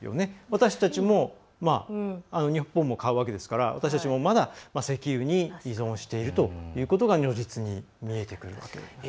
私たちも日本も買うわけですから私たちも、まだ石油に依存しているということが如実に見えてくるわけですね。